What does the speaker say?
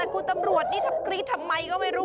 คุณตำรวจกิริดทำไมกันก็ไม่รู้